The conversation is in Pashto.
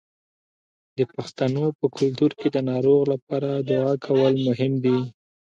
د پښتنو په کلتور کې د ناروغ لپاره دعا کول مهم دي.